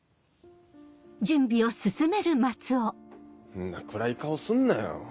んな暗い顔すんなよ。